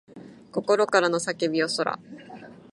心からの叫びよそら